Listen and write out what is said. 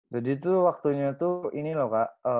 jadi tuh waktunya tuh ini loh kak